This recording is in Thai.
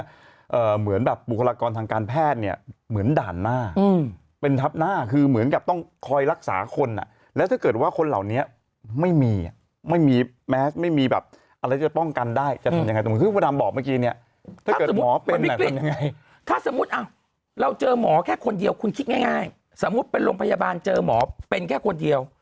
เหมือนแบบบุคลากรทางการแพทย์เนี่ยเหมือนด่านหน้าอืมเป็นทับหน้าคือเหมือนกับต้องคอยรักษาคนอ่ะแล้วถ้าเกิดว่าคนเหล่านี้ไม่มีอ่ะไม่มีแมสไม่มีแบบอะไรจะป้องกันได้จะทำยังไงตรงที่พระดำบอกเมื่อกี้เนี่ยถ้าเกิดหมอเป็นแบบเป็นยังไงถ้าสมมุติอ่ะเราเจอหมอแค่คนเดียวคุณคิดง่ายง่ายสมมุติเป็นโรงพยาบาลเจอหมอเป็นแค่คนเดียว